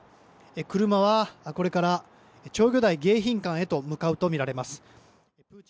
車はこれから釣魚台迎賓館へと向かうとみられます。